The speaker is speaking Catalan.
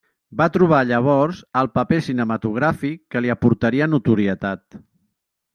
Va trobar llavors el paper cinematogràfic que li aportaria notorietat.